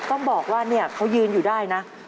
ต้องบอกว่าเขายืนอยู่ได้นะ